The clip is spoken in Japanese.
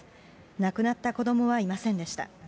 亡くなった子どもはいませんでした。